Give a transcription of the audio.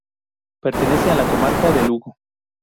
Pertenece a la comarca de Lugo.